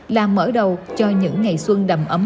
là mở đầu cho những ngày xuân đầm ấm